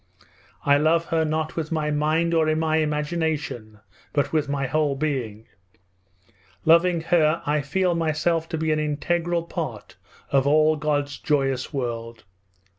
I love her not with my mind or my imagination, but with my whole being. Loving her I feel myself to be an integral part of all God's joyous world.